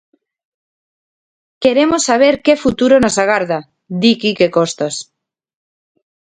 Queremos saber que futuro nos agarda, di Quique Costas.